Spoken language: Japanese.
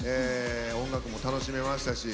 音楽も楽しめましたし。